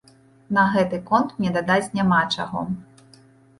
На гэты конт мне дадаць няма чаго.